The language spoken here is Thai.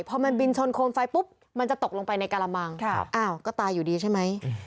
พอมันบินชนโคมไฟปุ๊บมันจะตกลงไปในกระมังอ้าวก็ตายอยู่ดีใช่ไหม